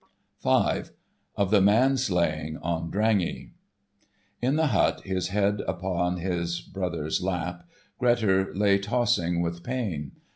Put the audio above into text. *V* *OF THE MAN SLAYING ON DRANGEY* In the hut, his head upon his brother's lap, Grettir lay tossing with pain.